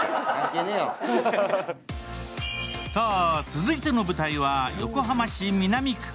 続いての舞台は、横浜市南区。